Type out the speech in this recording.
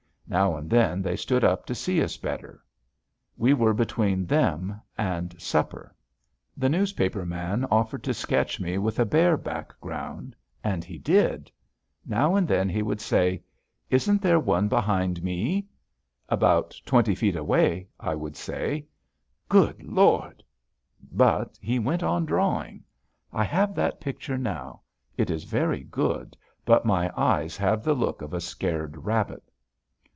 Now and then they stood up to see us better. We were between them and supper. [Illustration: LUNCHEON ON FLATHEAD RIVER TRIP] [Illustration: PHOTOGRAPHING A BEAR] The newspaper man offered to sketch me with a "bear" background. And he did. Now and then he would say: "Isn't there one behind me?" "About twenty feet away," I would say. "Good Lord!" But he went on drawing. I have that picture now. It is very good, but my eyes have the look of a scared rabbit.